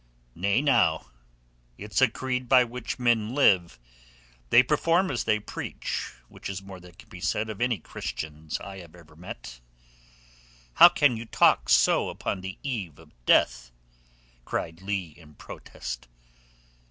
"Nay, now; it's a creed by which men live. They perform as they preach, which is more than can be said of any Christians I have ever met." "How can you talk so upon the eve of death?" cried Leigh in protest.